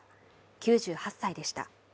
９８歳でした。